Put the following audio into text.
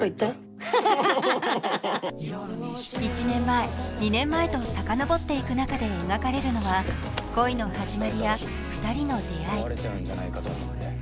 １年前、２年前とさかのぼっていく中で描かれるのは恋の始まりや２人の出会い。